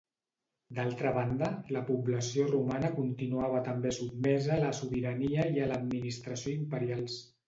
D'altra banda, la població romana continuava també sotmesa a la sobirania i a l'administració imperials.